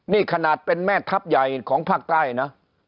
นี่ขนาดเป็นแม่ทัพใหญ่ของภาคใต้นะ